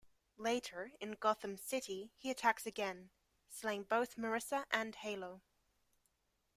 Later, in Gotham City, he attacks again, slaying both Marissa and Halo.